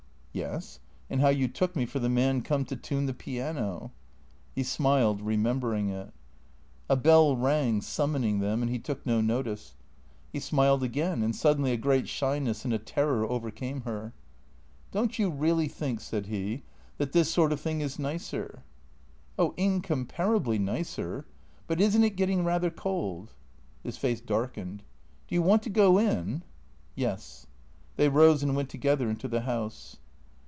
" Yes. And how you took me for the man come to tune the piano." He smiled, remembering it. A bell rang, summoning them, THECEEATOES 251 and he took no notice. He smiled again; and suddenly a great shyness and a terror overcame her. " Don't you really think," said he, " that this sort of thing is nicer ?"" Oh, incomparably nicer. But is n't it getting rather cold ?" His face darkened. " Do you want to go in ?"" Yes." They rose and went together into the house.